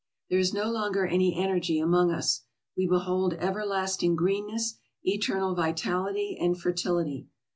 There is no longer any energy among us. We behold everlasting greenness, eternal vitality and fertility.